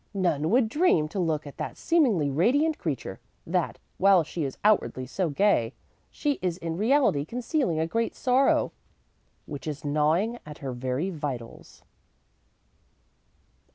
None would dream, to look at that seemingly radiant creature, that, while she is outwardly so gay, she is in reality concealing a great sorrow which is gnawing at her very vitals.'"